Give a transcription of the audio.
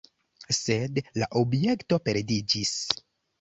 Sed la objekto perdiĝis.